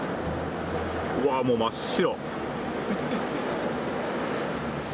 うわー、もう真っ白。